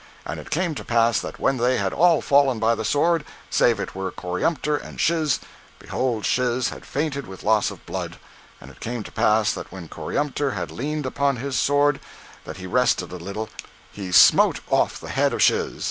And it came to pass that when they had all fallen by the sword, save it were Coriantumr and Shiz, behold Shiz had fainted with loss of blood. And it came to pass that when Coriantumr had leaned upon his sword, that he rested a little, he smote off the head of Shiz.